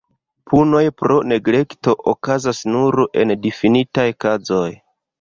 Punoj pro neglekto okazas nur en difinitaj kazoj.